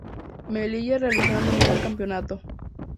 Melilla realizando un gran campeonato.